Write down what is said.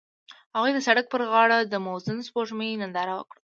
هغوی د سړک پر غاړه د موزون سپوږمۍ ننداره وکړه.